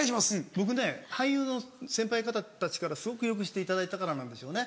僕ね俳優の先輩方たちからすごくよくしていただいたからなんでしょうね。